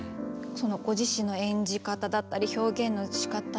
ご自身の演じ方だったり表現のしかた。